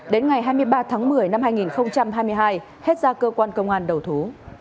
đến ngày hai mươi ba tháng một mươi năm hai nghìn hai mươi hai hết ra cơ quan công an đầu thú